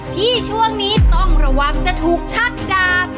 ที่ช่วงนี้ต้องระวังจะถูกชักดา